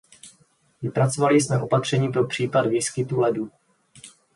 Vypracovali jsme opatření pro případ výskytu ledu.